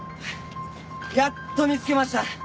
やっと見つけました！